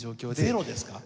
ゼロですか？